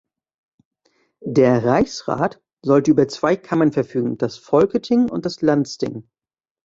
Der Reichsrat sollte über zwei Kammern verfügen, das Folketing und das Landsting.